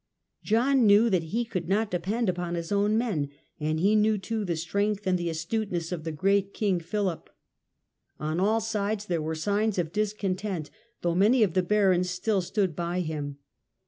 John knpw that he could not depend upon his own men, and he knew, too, the strength and the astuteness of the great king Philip. On all sides there were signs of discontent, though many of the barons still stood by him.